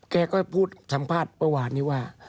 แกก็พูดสัมภาษณ์เมื่อวานนี้ว่า